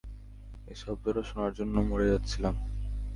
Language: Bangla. এই শব্দটা শোনার জন্য মরে যাচ্ছিলাম।